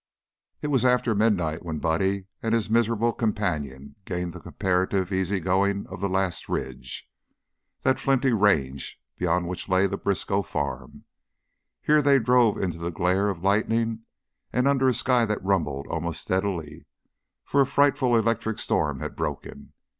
It was after midnight when Buddy and his miserable companion gained the comparatively easy going of the last ridge, that flinty range beyond which lay the Briskow farm. Here they drove in the glare of lightning and under a sky that rumbled almost steadily, for a frightful electric storm had broken.